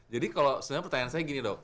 jadi kalau sebenarnya pertanyaan saya gini dok